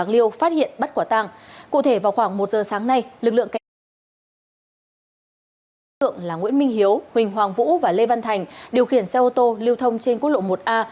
lực lượng là nguyễn minh hiếu huỳnh hoàng vũ và lê văn thành điều khiển xe ô tô liêu thông trên quốc lộ một a